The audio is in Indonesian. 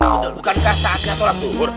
betul bukan kak satya sholat zuhur